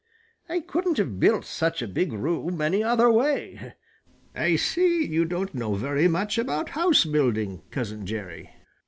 I couldn't have built such a big room any other way. I see you don't know very much about house building, Cousin Jerry."